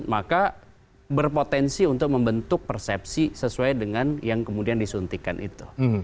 maka berpotensi untuk membentuk persepsi sesuai dengan yang kemudian disuntikan itu